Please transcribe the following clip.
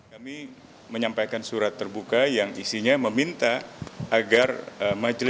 kami menyampaikan surat terbuka yang isinya meminta agar majelis